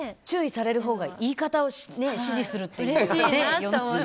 注意されるほうが言い方を指示するっていう。